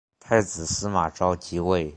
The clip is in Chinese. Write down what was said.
太子司马绍即位。